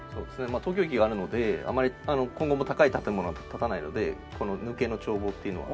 まあ東京駅があるのであまり今後も高い建物は建たないのでこの抜けの眺望っていうのは。